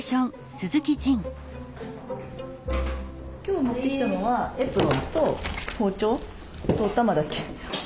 今日持ってきたのはエプロンと包丁とおたまだけ。